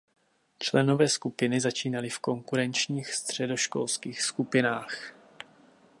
Členové skupiny začínali v konkurenčních středoškolských skupinách.